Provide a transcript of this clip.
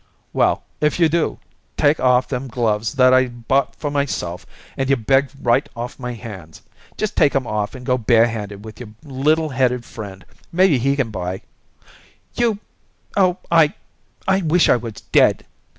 "Well, if you do, take off them gloves that I bought for myself and you begged right off my hands. Just take 'em off and go barehanded with your little headed friend; maybe he can buy " "You Oh, I I wish I was dead!